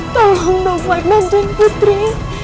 tolong dong mike bantuin putri